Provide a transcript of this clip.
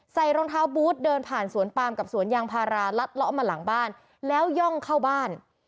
รองเท้าบูธเดินผ่านสวนปามกับสวนยางพาราลัดล้อมาหลังบ้านแล้วย่องเข้าบ้าน